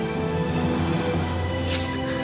daripada milih mas satria